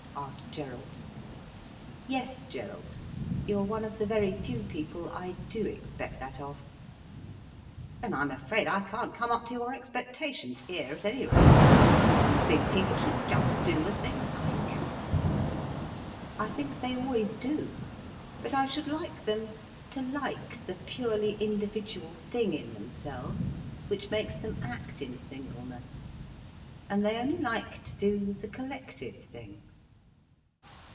asked Gerald. "Yes, Gerald, you're one of the very few people I do expect that of." "Then I'm afraid I can't come up to your expectations here, at any rate. You think people should just do as they like." "I think they always do. But I should like them to like the purely individual thing in themselves, which makes them act in singleness. And they only like to do the collective thing."